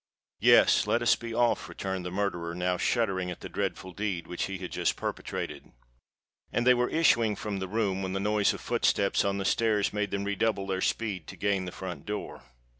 "Yes—let us be off," returned the murderer, now shuddering at the dreadful deed which he had just perpetrated. And they were issuing from the room, when the noise of footsteps on the stairs made them redouble their speed to gain the front door.